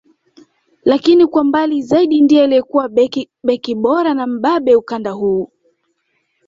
Lakini kwa mbali zaidi ndiye aliyekuwa beki bora na mbabe ukanda huu